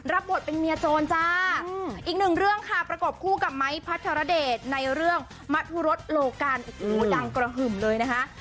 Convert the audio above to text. รับบทเป็นเมียโจรจ้าอีกหนึ่งเรื่องค่ะประกบคู่กับไม้พัทรเดชในเรื่องมะทุรสโลกันโอ้โหดังกระหึ่มเลยนะคะ